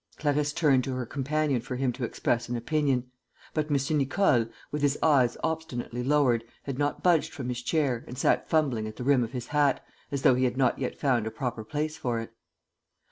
Clarisse turned to her companion for him to express an opinion. But M. Nicole, with his eyes obstinately lowered, had not budged from his chair and sat fumbling at the rim of his hat, as though he had not yet found a proper place for it.